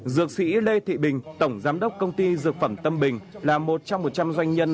dược sĩ lê thị bình tổng giám đốc công ty dược phẩm tâm bình là một trong một trăm linh doanh nhân